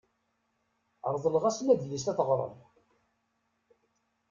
Reḍleɣ-asen adlis ad t-ɣren.